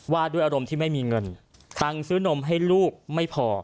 ว่าด้วยอารมณ์ที่ไม่มีเงินตังค์ซื้อนมให้ลูกไม่พอ